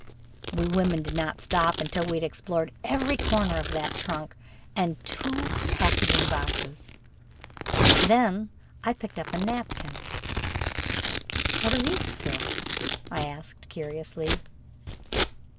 We women did not stop until we had explored every corner of that trunk and the two packing boxes. Then I picked up a napkin. "What are these for?" I asked curiously.